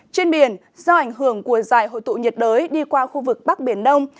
trên biển do ảnh hưởng của giải hội tụ nhiệt đới đi qua khu vực bắc biển đông